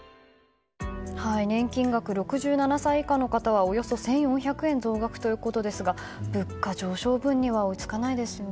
年金額、６７歳以下の方はおよそ１４００円増額ということですが物価上昇分には追いつかないですよね。